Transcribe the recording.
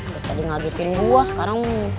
bukan di ngagetin gua sekarang